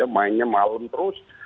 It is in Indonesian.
mainnya malam terus